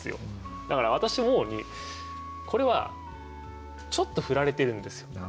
だから私思うにこれはちょっと振られてるんですよ。